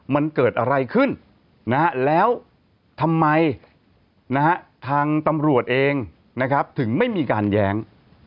มันเกิดอะไรขึ้นแล้วทำไมทางตำรวจเองนะครับถึงไม่มีการแย้ง